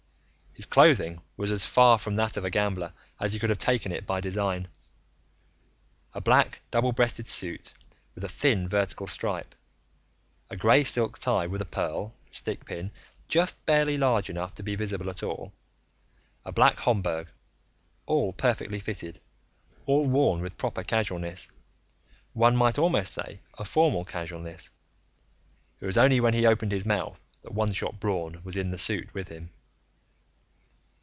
His clothing was as far from that of a gambler as you could have taken it by design: a black double breasted suit with a thin vertical stripe, a gray silk tie with a pearl stickpin just barely large enough to be visible at all, a black Homburg; all perfectly fitted, all worn with proper casualness one might almost say a formal casualness. It was only when he opened his mouth that One Shot Braun was in the suit with him.